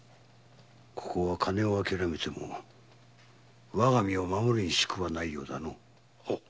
ここは金をあきらめてもわが身を守るにしくはないようだ。